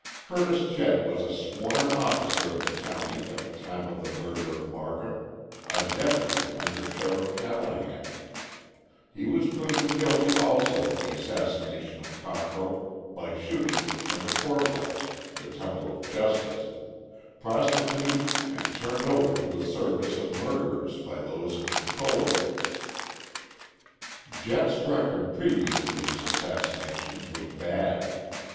Curtis Jett was a sworn officer of the county at the time of the murder of Marcum, a deputy under Sheriff Callahan. He was proven guilty also of the assassination of Cockrell by shooting him from the court house, the temple of justice, prostituted and turned over to the service of murderers by those in control of it. Jett's record previous to these assassinations was bad.